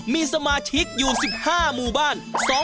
มีสมาชิกอยู่๑๕หมู่บ้าน